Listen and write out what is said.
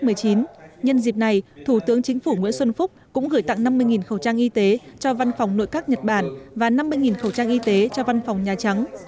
nhân dịp này thủ tướng chính phủ nguyễn xuân phúc cũng gửi tặng năm mươi khẩu trang y tế cho văn phòng nội các nhật bản và năm mươi khẩu trang y tế cho văn phòng nhà trắng